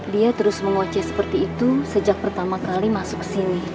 dia terus mengoceh seperti itu sejak pertama kali masuk ke sini